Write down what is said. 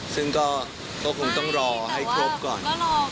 ซึ่งก็คงต้องรอให้ครบก่อน